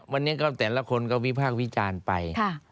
วันนี้ก็แต่ละคนก็วิพากษ์วิจารณ์ไป